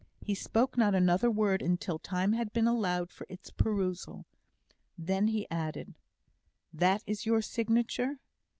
He spoke not another word until time had been allowed for its perusal. Then he added: "That is your signature?"